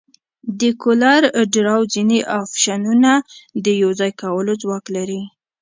د کولر ډراو ځینې افشنونه د یوځای کولو ځواک لري.